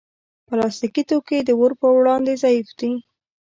پلاستيکي توکي د اور پر وړاندې ضعیف دي.